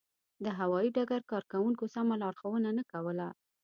د هوایي ډګر کارکوونکو سمه لارښوونه نه کوله.